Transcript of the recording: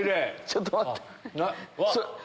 ちょっと待って。